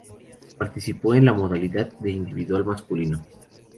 Participó en en la modalidad de individual masculino.